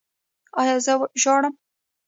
ایا زه ژاړم؟